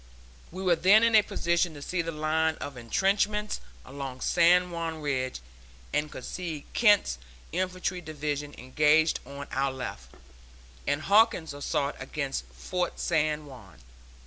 We were then in a position to see the line of intrenchments along San Juan Ridge, and could see Kent's Infantry Division engaged on our left, and Hawkins' assault against Fort San Juan.